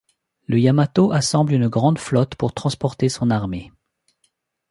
Le Yamato assemble une grande flotte pour transporter son armée.